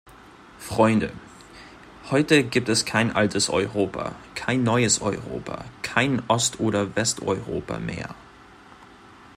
Freunde, heute gibt es kein altes Europa, kein neues Europa, kein Ostoder Westeuropa mehr.